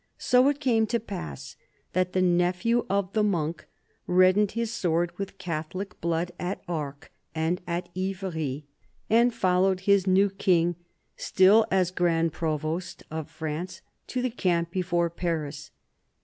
So it came to pass that the nephew of " the Monk " reddened his sword with Catholic blood at Arques and at Ivry, and followed his new King, still as Grand Provost of France, to the camp before Paris.